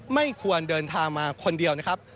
ไม่ควรเดินทางมาคนเดียวนะครับ